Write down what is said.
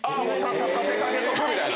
立て掛けとくみたいな。